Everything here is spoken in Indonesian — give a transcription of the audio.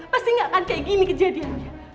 pasti nggak akan kayak gini kejadiannya